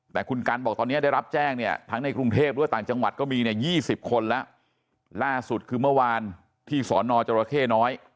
แต่คุณกันบอกตอนนี้ได้รับแจ้งเนี่ยทั้งในกรุงเทพหรือว่าต่างจังหวัดก็มีเนี่ย๒๐คนแล้วล่าสุดคือเมื่อวานที่สอนอจรเข้น้อย